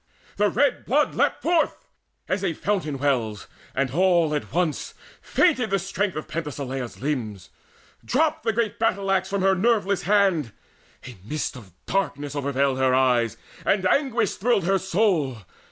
The red blood leapt Forth, as a fountain wells, and all at once Fainted the strength of Penthesileia's limbs; Dropped the great battle axe from her nerveless hand; A mist of darkness overveiled her eyes, And anguish thrilled her soul.